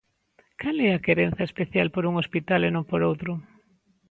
¿Cal é a querenza especial por un hospital e non por outro?